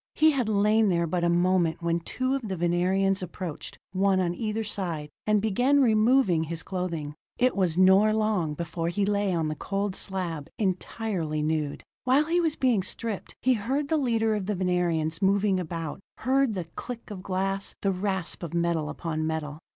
He had lain there but a moment when two of the Venerians approached, one on either side, and began removing his clothing. It was not long before he lay on the cold slab, entirely nude. While he was being stripped, he heard the leader of the Venerians moving about, heard the click of glass, the rasp of metal upon metal.